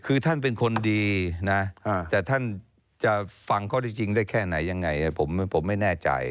คือท่านเป็นคนดีนะแต่ท่านจะฟังข้อที่จริงได้แค่ไหนยังไงผมไม่แน่ใจ